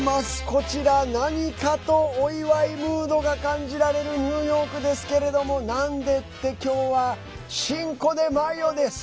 こちら、何かとお祝いムードが感じられるニューヨークですけれどもなんでって、きょうはシンコデマヨです。